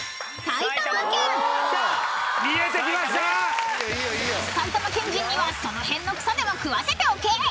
［「埼玉県人にはその辺の草でも食わせておけ！」］